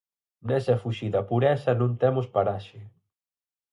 Nesa fuxida á pureza non temos paraxe.